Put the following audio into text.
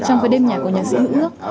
trong cái đêm nhạc của nhạc sĩ hữu ước